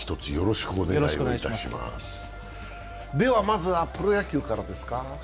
ではまずはプロ野球からですか。